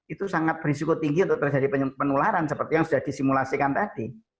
itu sangat berisiko tinggi untuk terjadi penularan seperti yang sudah disimulasikan tadi